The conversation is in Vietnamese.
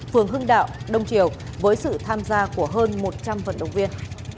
phường hưng đạo đông triều với sự tham gia của hơn một trăm linh vận động viên